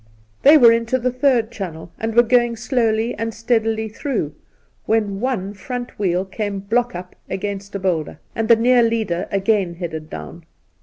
They were into the third channel, and were going slowly and steadily through, when one front wheel came block up against a boulder, and the near leader again headed down.